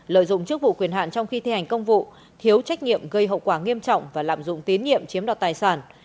lợi dụng chức vụ quyền hạn trong khi thi hành công vụ thiếu trách nhiệm gây hậu quả nghiêm trọng và lạm dụng tín nhiệm chiếm đoạt tài sản